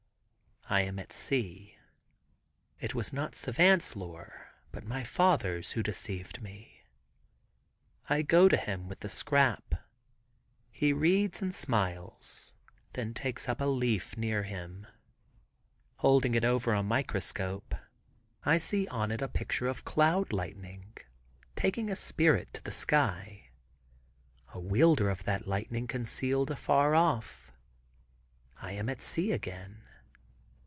I am at sea. It was not Savant's lore, but my father's, who had deceived me. I go to him with the scrap. He reads and smiles, then takes up a leaf near him. Holding over it a microscope, I see on it a picture of cloud lightening taking a spirit to the sky. A wielder of that lightening concealed afar off. I am at sea again.